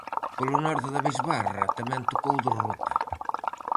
Polo norte da bisbarra tamén tocou derrota.